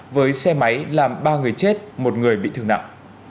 với xe máy làm ba người chết một người bị thương nặng